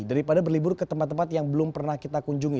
daripada berlibur ke tempat tempat yang belum pernah kita kunjungi